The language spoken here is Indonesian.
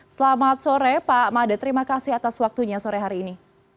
selamat sore pak made terima kasih atas waktunya sore hari ini